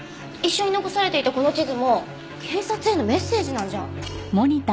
一緒に残されていたこの地図も警察へのメッセージなんじゃ？